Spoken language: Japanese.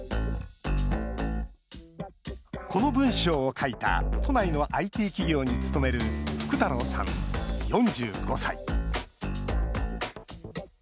この文章を書いた都内のＩＴ企業に勤める福太郎さん、４５歳。